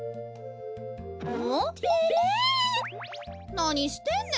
なにしてんねん？